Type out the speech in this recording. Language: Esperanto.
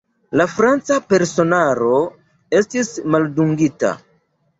La franca personaro estis maldungita.